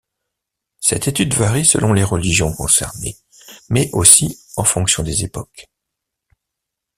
Cette étude varie selon les religions concernées mais aussi en fonction des époques.